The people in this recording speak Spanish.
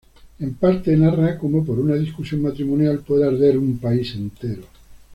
En parte, narra cómo por una discusión matrimonial, puede arder un país entero.